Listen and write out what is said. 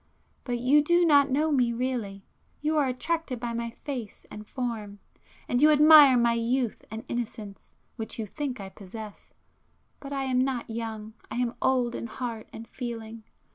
But you do not know me really,—you are attracted by my face and form,—and you admire my youth and innocence, which you think I possess. But I am not young—I am old in heart and feeling.